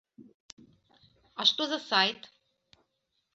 А што за сайт?